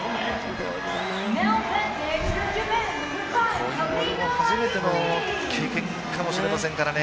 こういうボール、初めての経験かもしれませんからね。